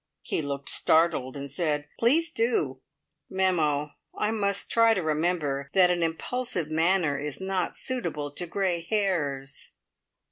He looked startled and said, "Please do!" (Mem. I must try to remember that an impulsive manner is not suitable to grey hairs!)